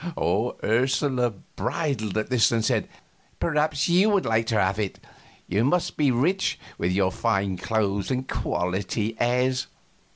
Ursula bridled at this and said: "Perhaps you would like to have it. You must be rich, with your fine clothes and quality airs."